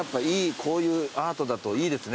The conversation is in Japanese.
こういうアートだといいですね